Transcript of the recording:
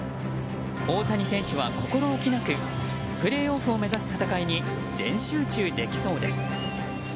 大谷選手は心置きなくプレーオフを目指す戦いに全集中できそうです。